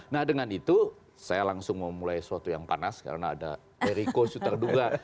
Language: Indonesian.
nah dengan itu saya langsung mau mulai sesuatu yang panas karena ada eriko sutarduga